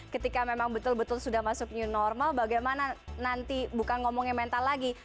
ketika memang betul betul sudah masuk new normal bagaimana nanti bukan ngomongnya mental lagi